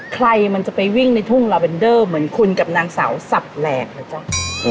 ใครมันจะไปวิ่งในทุ่งลาเวนเดอร์เหมือนคุณกับนางสาวสับแหลกเหรอจ๊ะ